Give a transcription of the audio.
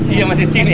iya masih cine